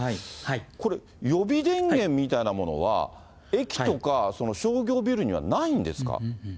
これ、予備電源みたいなものは、駅とか商業ビルにはないんですか。